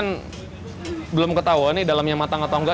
bang ini kan belum ketahuan nih dalamnya matang atau nggak